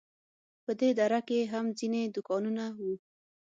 په دې دره کې هم ځینې دوکانونه وو.